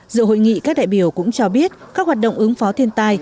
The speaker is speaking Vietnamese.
dự hội nghị các đại biểu cũng cho biết các hoạt động ứng phó thiên tai